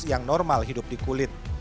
yang normal hidup di kulit